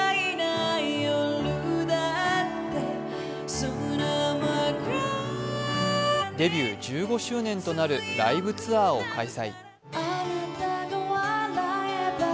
歌手の絢香さんがデビュー１５周年となるライブツアーを開催。